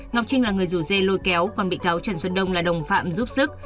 ngọc trinh là người rủ dê lôi kéo còn bị cáo trần xuân đông là đồng phạm giúp sức